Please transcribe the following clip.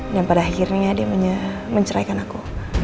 dan pada akhirnya dia menceraikan aku